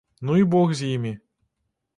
Ну і бог з імі.